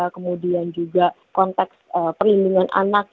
kemudian juga konteks perlindungan anak